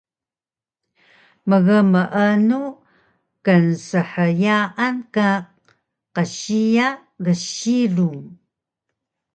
Mgmeenu knshyaan ka qsiya gsilung?